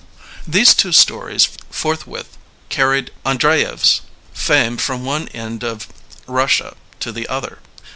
These two stories forthwith car ried Andreyev's fame from one end of Russia to the other.